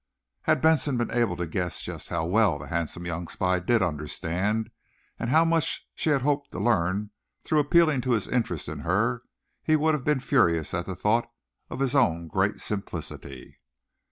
Had Benson been able to guess just how well the handsome young spy did understand, and how much she had hoped to learn through appealing to his interest in her, he would have been furious at the thought of his own great simplicity.